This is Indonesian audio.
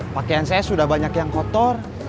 pakaian saya sudah banyak yang kotor